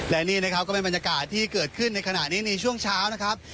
และนี่นะครับก็เป็นบรรยากาศที่เกิดขึ้นในขณะนี้ในช่วงเช้านะครับ